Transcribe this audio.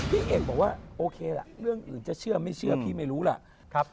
พี่เอกบอกว่าโอเคล่ะเรื่องอื่นจะเชื่อไม่เชื่อพี่ไม่รู้ล่ะ